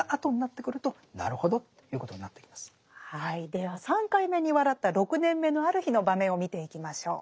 では３回目に笑った６年目のある日の場面を見ていきましょう。